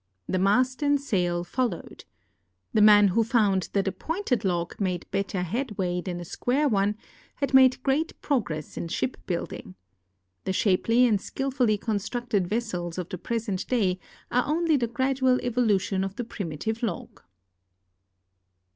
The mast and sail followed. The man who found that a pointed log made better headway than a square one had made great progress in shipbuilding. The shapely and skillfully constructed vessels of the jjresent da}^ are only the gradual evolution of the primitive log.